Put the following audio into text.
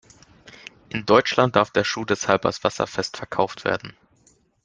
In Deutschland darf der Schuh deshalb als wasserfest verkauft werden.